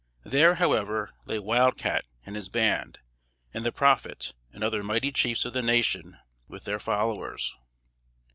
There, however, lay Wild Cat and his band, and the prophet and other mighty chiefs of the nation with their followers.